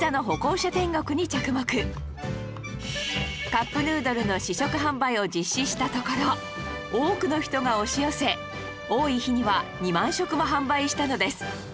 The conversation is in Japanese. カップヌードルの試食販売を実施したところ多くの人が押し寄せ多い日には２万食を販売したのです